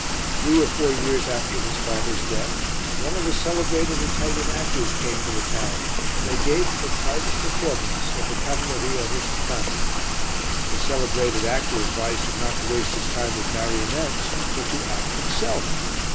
Three or four years after his father's death, one of the celebrated Italian actors came to the town and they gave him a private performance of the Cavalleria Rusticana. The celebrated actor advised him not to waste his time with marionettes, but to act himself.